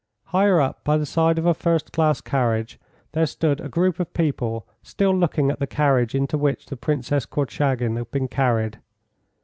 Higher up, by the side of a first class carriage, there stood a group of people still looking at the carriage into which the Princess Korchagin had been carried.